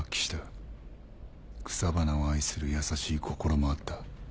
草花を愛する優しい心もあった。